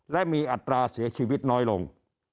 และมีอัตราเสียชีวิตน้อยลง